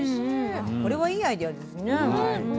これはいいアイデアですね。